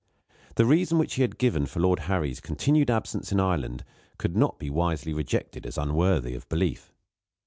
The reason which he had given for Lord Harry's continued absence in Ireland, could not be wisely rejected as unworthy of belief.